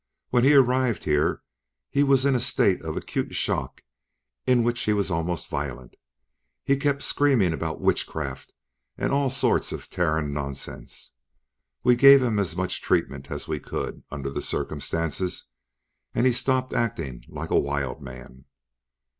When he arrived here, he was in a state of acute shock in which he was almost violent. He kept screaming about witchcraft and all sorts of Terran nonsense. We gave him as much treatment as we could, under the circumstances, and he stopped acting like a wildman."